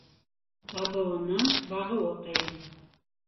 Табыуынан бағыуы ҡыйын.